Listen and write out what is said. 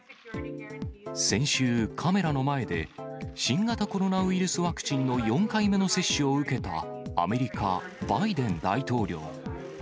先週、カメラの前で、新型コロナウイルスワクチンの４回目の接種を受けたアメリカ、バイデン大統領。